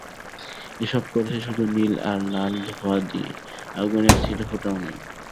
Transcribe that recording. এসব করেছে শুধু নীল আর লাল ধোঁয়া দিয়ে, আগুনের ছিটেফোঁটাও নেই।